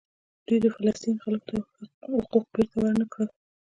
دوی د فلسطین خلکو ته حقوق بیرته ورنکړل.